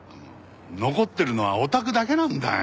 残ってるのはおたくだけなんだよ。